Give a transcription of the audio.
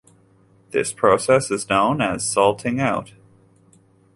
This process is known as salting out.